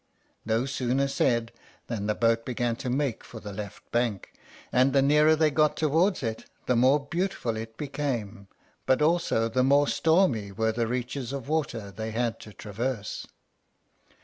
No sooner said than the boat began to make for the left bank, and the nearer they got towards it the more beautiful it became; but also the more stormy were the reaches of water they had to traverse.